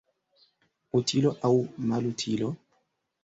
Utilo aŭ malutilo?